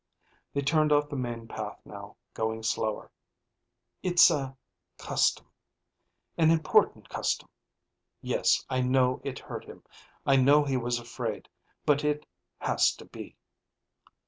They turned off the main path now, going slower. "It's a ... custom. An important custom. Yes, I know it hurt him. I know he was afraid. But it had to be.